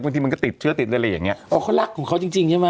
บางทีมันก็ติดเชื้อติดอะไรอย่างเงี้อ๋อเขารักของเขาจริงจริงใช่ไหม